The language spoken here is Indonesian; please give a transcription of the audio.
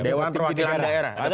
dewan perwakilan daerah